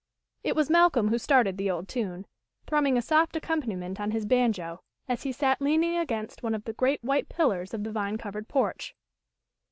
IT was Malcolm who started the old tune, thrum ming a soft accompaniment on his banjo, as he sat leaning against one of the great white pillars of the vine covered porch.